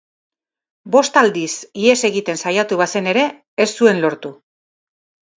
Bost aldiz ihes egiten saiatu bazen ere ez zuen lortu.